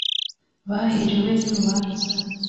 bahiriwe n’urubanza